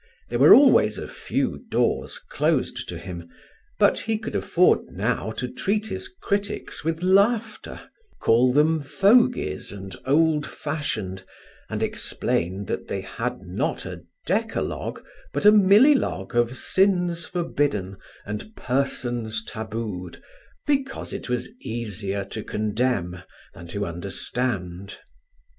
There were always a few doors closed to him; but he could afford now to treat his critics with laughter, call them fogies and old fashioned and explain that they had not a decalogue but a millelogue of sins forbidden and persons tabooed because it was easier to condemn than to understand.